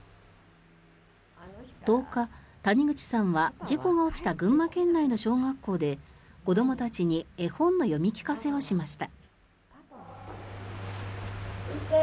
１０日、谷口さんは事故が起きた群馬県内の小学校で子どもたちに絵本の読み聞かせをしました。